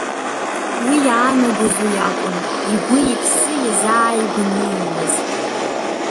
Уи иаанагоз уиакәын, игәы-иԥсы иазааигәан ииҩуаз.